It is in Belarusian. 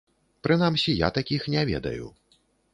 Прынамсі я такіх не ведаю.